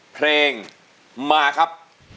เพลงมาครับ